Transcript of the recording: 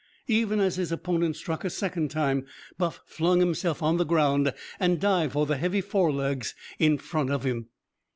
Even as his opponent struck a second time Buff flung himself on the ground and dived for the heavy forelegs in front of him.